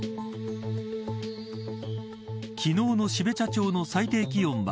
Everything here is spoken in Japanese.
昨日の標茶町の最低気温は